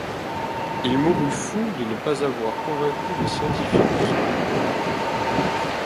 Il mourut fou de ne pas avoir convaincu les scientifiques de son époque.